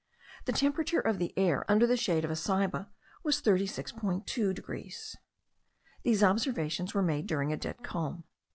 The temperature of the air under the shade of a ceiba was 36.2 degrees. These observations were made during a dead calm.